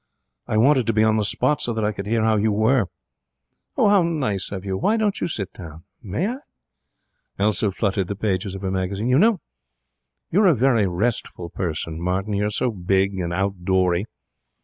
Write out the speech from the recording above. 'I wanted to be on the spot so that I could hear how you were.' 'How nice of you! Why don't you sit down?' 'May I?' Elsa fluttered the pages of her magazine. 'You know, you're a very restful person, Martin. You're so big and outdoory.